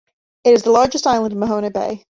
It is the largest island in Mahone Bay.